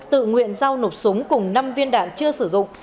tự nguyện giao nộp súng cùng năm viên đạn chưa sử dụng